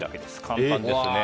簡単ですね。